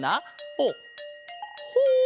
ほうほう！